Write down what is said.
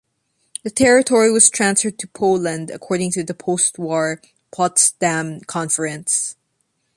The territory was transferred to Poland according to the postwar Potsdam Conference.